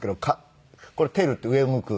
これ照るって上を向く。